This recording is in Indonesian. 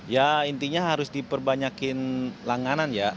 ya intinya harus diperbanyakin langganan ya